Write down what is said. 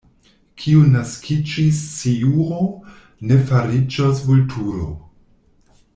Kiu naskiĝis sciuro, ne fariĝos vulturo.